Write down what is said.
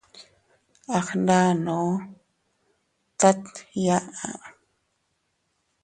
A gndano tat iyaʼa.